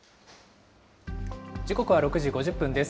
時刻は６時５０分です。